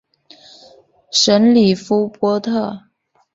什里夫波特。